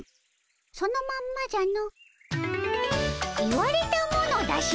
そのまんまじゃの。